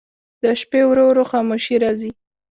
د شپې ورو ورو خاموشي راځي.